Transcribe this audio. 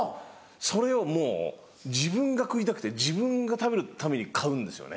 それをもう自分が食いたくて自分が食べるために買うんですよね